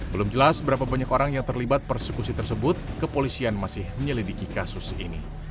belum jelas berapa banyak orang yang terlibat persekusi tersebut kepolisian masih menyelidiki kasus ini